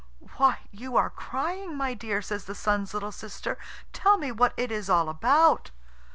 "Why, you are crying, my dear!" says the Sun's little sister. "Tell me what it is all about."